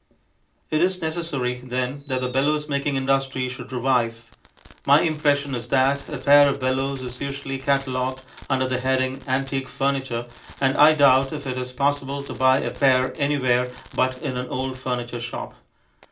It is necessary, then, that the bellows making industry should revive. My impression is that a pair of bellows is usually catalogued under the heading, "antique furniture," and I doubt if it is possible to buy a pair anywhere but in an old furniture shop.